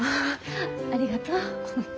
ありがとう。